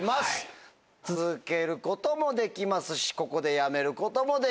続けることもできますしここでやめることもできます。